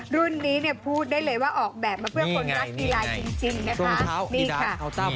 รุ่นนี้พูดได้เลยว่าออกแบบมาจึงเพื่อคนรักทีรายจริง